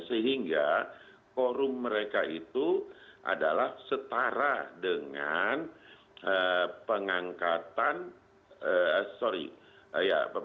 sehingga forum mereka itu adalah setara dengan pengangkatan sorry